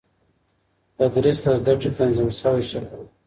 تدريس د زده کړي تنظيم سوی شکل دی.